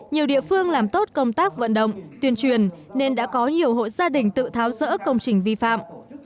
nhiều địa phương làm tốt công tác vận động tuyên truyền nên đã có nhiều hộ gia đình tự tháo rỡ công trình vi phạm